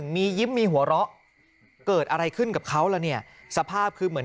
มียิ้มมีหัวเราะเกิดอะไรขึ้นกับเขาล่ะเนี่ยสภาพคือเหมือน